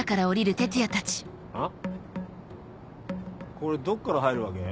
これどっから入るわけ？